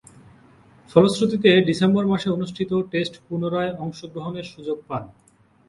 ফলশ্রুতিতে ডিসেম্বর মাসে অনুষ্ঠিত টেস্টে পুনরায় অংশগ্রহণের সুযোগ পান।